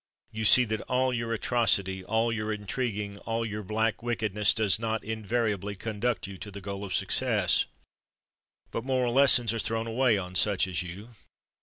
You see that all your atrocity—all your intriguing—all your black wickedness does not invariably conduct you to the goal of success. But moral lessons are thrown away on such as you.